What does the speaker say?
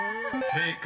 ［正解。